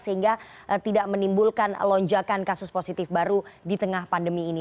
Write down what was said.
sehingga tidak menimbulkan lonjakan kasus positif baru di tengah pandemi ini